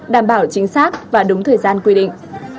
đảm bảo chính xác và đúng thời gian quy định